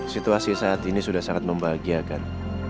situasi saat ini sudah sangat membahagiakan